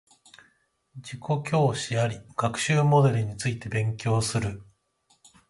自己教師あり学習モデルについて勉強する